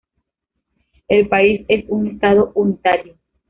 El país es un estado unitario.